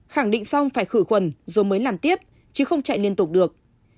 khẳng định xong phải khử khuẩn rồi mới làm tiếp chứ không chạy liên tục được